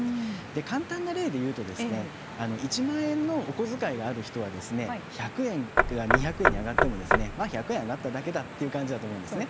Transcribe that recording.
簡単な例で言うと１万円のお小遣いがある人は１００円が２００円に上がってもまあ１００円上がっただけだという感じだと思うんですね。